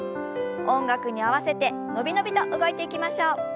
音楽に合わせて伸び伸びと動いていきましょう。